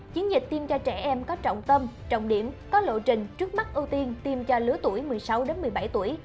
chiến dịch tiêm cho trẻ em có trọng tâm trọng điểm có lộ trình trước mắt ưu tiên tiêm cho lứa tuổi một mươi sáu một mươi bảy tuổi